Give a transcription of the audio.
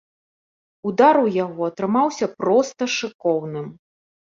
Удар у яго атрымаўся проста шыкоўным.